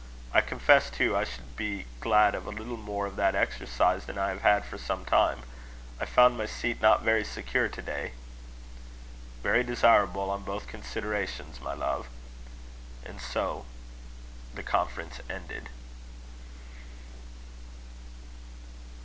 I confess, too, I should be glad of a little more of that exercise than I have had for some time: I found my seat not very secure to day." "Very desirable on both considerations, my love." And so the conference ended.